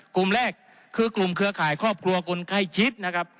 กลุ่มแรกคือกลุ่มเครือข่ายครอบครัวคนใกล้ชิดนะครับ